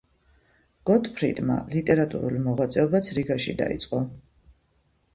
გოტფრიდმა ლიტერატურული მოღვაწეობაც რიგაში დაიწყო.